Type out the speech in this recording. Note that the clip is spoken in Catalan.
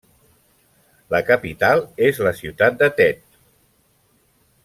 La capital és la ciutat de Tete.